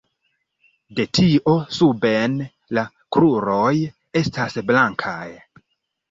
De tio suben la kruroj estas blankaj.